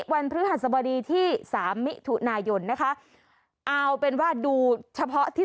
วันพฤหัสบดีที่สามมิถุนายนนะคะเอาเป็นว่าดูเฉพาะที่